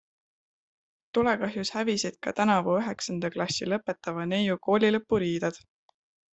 Tulekahjus hävisid ka tänavu üheksanda klassi lõpetava neiu koolilõpuriided.